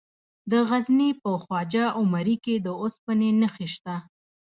د غزني په خواجه عمري کې د اوسپنې نښې شته.